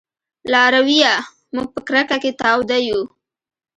لارويه! موږ په کرکه کې تاوده يو